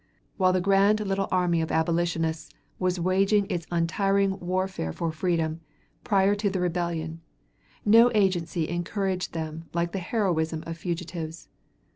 While the grand little army of abolitionists was waging its untiring warfare for freedom, prior to the rebellion, no agency encouraged them like the heroism of fugitives.